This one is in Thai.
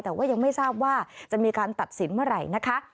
แต่ว่ายังไม่ทราบว่าจะมีการตัดสินเมื่อไหร่นะคะ